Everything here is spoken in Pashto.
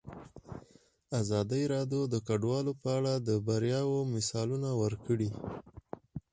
ازادي راډیو د کډوال په اړه د بریاوو مثالونه ورکړي.